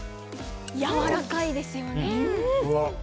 やわらかいですよね。